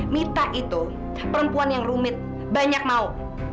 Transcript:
mita itu perempuan yang rumit banyak mau